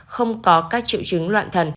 không có các triệu chứng loạn thần